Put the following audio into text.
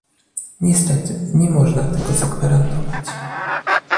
Niestety, nie można tego zagwarantować